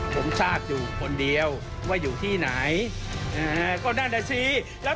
ภาษาอังกฤษ